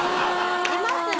いますね。